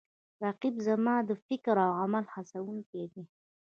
رقیب زما د فکر او عمل هڅوونکی دی